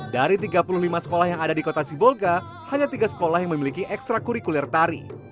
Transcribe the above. dari tiga puluh lima sekolah yang ada di kota sibolga hanya tiga sekolah yang memiliki ekstra kurikuler tari